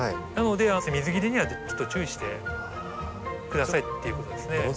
なので水切れにはちょっと注意して下さいっていうことですね。